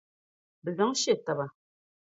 Bɛ zaŋ she taba.